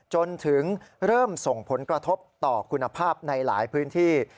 จนถึงเริ่มส่งผลกระทบต่อคุณภาพในหลายพื้นที่